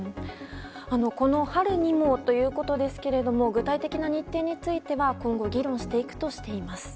この春にもということですが具体的な日程については今後議論していくとしています。